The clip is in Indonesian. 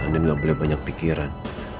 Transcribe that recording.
andin gak boleh banyak pikiran